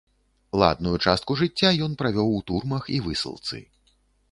Ладную частку жыцця ён правёў у турмах і высылцы.